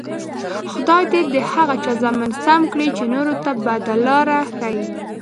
خدای دې د هغه چا زامن سم کړي، چې نورو ته بده لار ښیي.